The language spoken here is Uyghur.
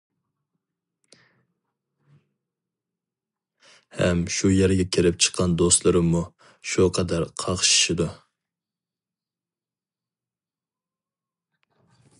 ھەم شۇ يەرگە كىرىپ چىققان دوستلىرىممۇ شۇ قەدەر قاقشىشىدۇ.